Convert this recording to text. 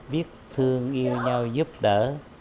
viết thương yêu nhau giúp đỡ